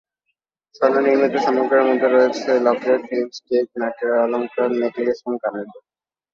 স্বর্ণনির্মিত সামগ্রীর মধ্যে রয়েছে লকেট, লিপস্টিক, নাকের অলঙ্কার, নেকলেস এবং কানের দুল।